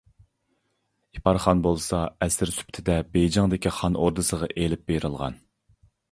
ئىپارخان بولسا ئەسىر سۈپىتىدە بېيجىڭدىكى خان ئوردىسىغا ئېلىپ بېرىلغان.